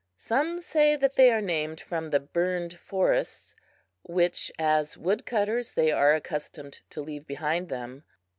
Some say that they are named from the "burned forests" which, as wood cutters, they are accustomed to leave behind them.